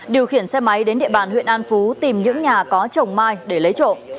điều khiển xe máy đến địa bàn huyện an phú tìm những nhà có chồng mai để lấy trộm